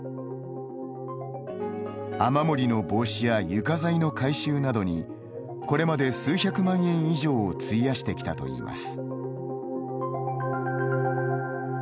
雨漏りの防止や床材の改修などにこれまで数百万円以上を費やしてきたといいます。